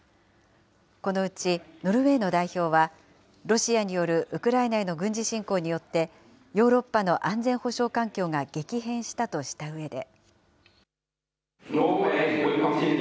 このうちノルウェーの代表は、ロシアによるウクライナへの軍事侵攻によって、ヨーロッパの安全保障環境が激変したとしたうえで。